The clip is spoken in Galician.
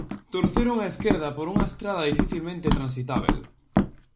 Torceron á esquerda por unha estrada dificilmente transitábel.